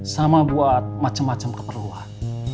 sama buat macem macem keperluan